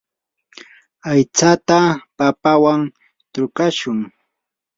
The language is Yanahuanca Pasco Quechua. aytsata papawan trukashun.